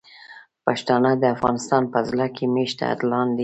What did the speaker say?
پښتانه د افغانستان په زړه کې میشته اتلان دي.